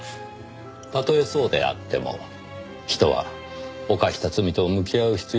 たとえそうであっても人は犯した罪と向き合う必要があります。